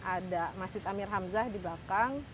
ada masjid amir hamzah di belakang